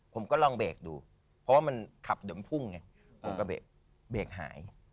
ผมก็ลองเบรกดูเพราะว่ามันขับเด๋อมพุ่งผิวในเบรกหาย